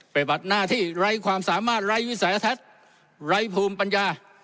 บัดหน้าที่ไร้ความสามารถไร้วิสัยทัศน์ไร้ภูมิปัญญา